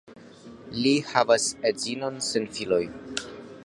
Li havas edzinon sen filoj.